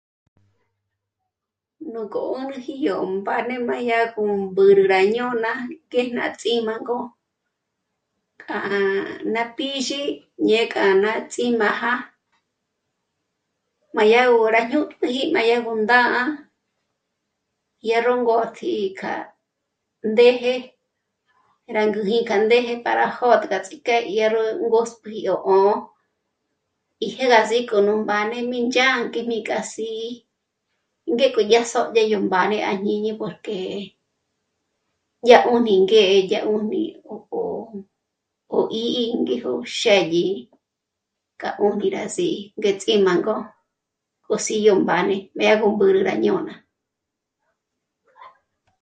Nú gó 'ùǹüji yó mbáne má yá gó mbǘrü rá ñôna k'e ná ts'ímá'gö k'a ná pízhi ñe k'a ná ts'imája má dyá gó rá ñútpjüji má yá mbó ndà'a yá ró ngó tjǐ'i k'a ndéje rá ngó'o í k'a ndéje para jòd'ga ts'ike dyé ró ngòspjiji yó ó'o í jêd'a sǐ'i k'o nú mbáne mí ndzhá'a k'e mí k'a sǐ'i, ngéko dya sódye yó mbáne à jñíñi porque dyá 'ùni ngé yá 'ùjmi o'o... O í ngéjo xë́dyi k'a 'úgi rá sǐ'i ngéts'i má ngójo sǐ'i yó mbáne jmé rá mbǘrü rá ñôna